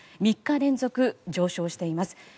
３日連続上昇しています。